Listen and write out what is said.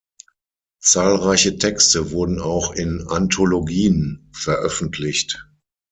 Zahlreiche Texte wurden auch in Anthologien veröffentlicht.